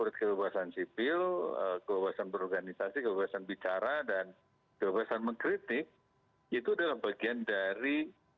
dengan negara kita yang baru